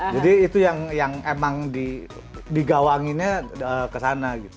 jadi itu yang emang digawanginnya ke sana gitu